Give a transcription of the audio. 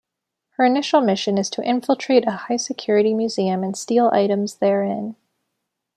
Her initial mission is to infiltrate a high-security museum and steal items therein.